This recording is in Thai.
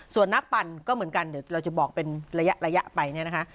ส่วนนักปั่นก็เหมือนกันเดี๋ยวเราจะบอกเป็นระยะไปเนี่ยนะคะ